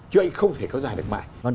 chứ anh không thể có dài được mãi